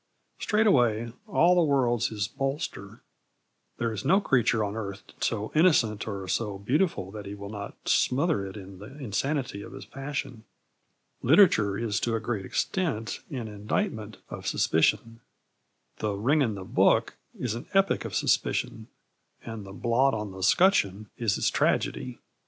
Straightway, all the world's his bolster; there is no creature on earth so innocent or so beautiful that he will not smother it in the insanity of his passion. Literature is to a great extent an indictment of suspicion. The Ring and the Book is an epic of suspicion, and the Blot on the 'Scutcheon is its tragedy.